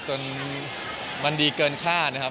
จนมันดีเกินค่านะครับ